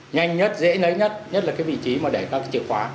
nhanh nhất dễ lấy nhất nhất là cái vị trí mà để ra cái chìa khóa